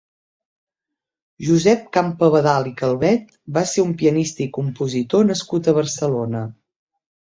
Josep Campabadal i Calvet va ser un pianista i compositor nascut a Barcelona.